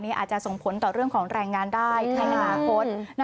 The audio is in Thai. อาจจะส่งผลต่อเรื่องของแรงงานได้ในอนาคต